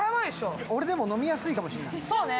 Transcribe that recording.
俺、でも飲みやすいかもしれない。